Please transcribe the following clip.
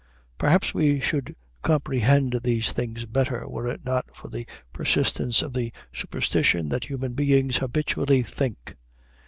Perhaps we should comprehend these things better were it not for the persistence of the superstition that human beings habitually think.